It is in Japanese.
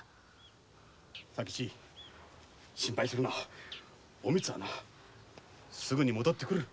佐吉心配するなおみつはすぐ戻ってくる。